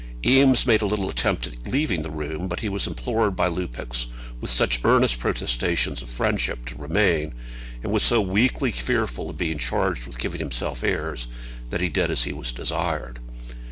Eames made a little attempt at leaving the room, but he was implored by Lupex with such earnest protestations of friendship to remain, and was so weakly fearful of being charged with giving himself airs, that he did as he was desired.